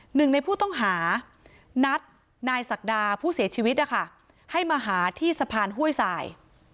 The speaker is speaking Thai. หนึ่งในผู้ต้องหานัดนายศักดาผู้เสียชีวิตนะคะให้มาหาที่สะพานห้วยสาย